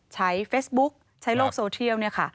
ใช้เฟซบุ๊กใช้โลกโซเทียลเนี่ยค่ะ